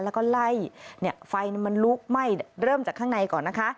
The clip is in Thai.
แล้วก็ไล่ไฟมันลุกไหม้เริ่มจากข้างในก่อนนะคะ